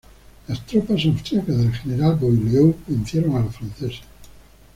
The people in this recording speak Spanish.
Las tropas austríacas del general Beaulieu vencieron a los franceses.